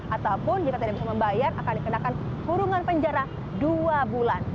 ataupun jika tidak bisa membayar akan dikenakan kurungan penjara dua bulan